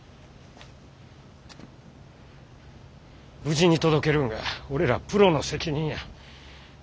無事に届けるんが俺らプロの責任や。